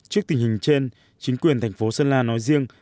trước tình hình trên chính quyền thành phố sơn la nói riêng